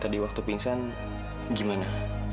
tadi waktu pingsan gimana